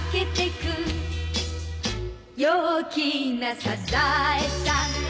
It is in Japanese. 「陽気なサザエさん」